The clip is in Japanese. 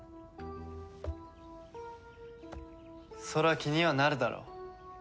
そりゃ気にはなるだろ。